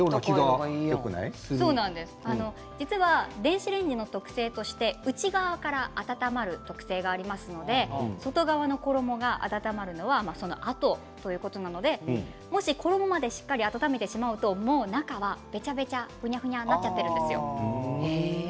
実は電子レンジの特性として内側から温まる特性がありますので外側の衣が温まるのはそのあとということなのでもし衣まででしっかり温めると中はべちゃべちゃ、ふにゃふにゃになっているんですよ。